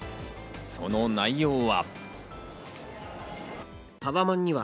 その内容は。